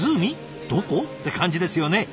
どこ？って感じですよね。